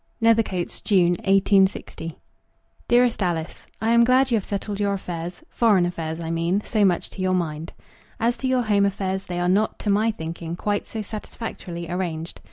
Nethercoats, June, 186 . DEAREST ALICE, I am glad you have settled your affairs, foreign affairs, I mean, so much to your mind. As to your home affairs they are not, to my thinking, quite so satisfactorily arranged.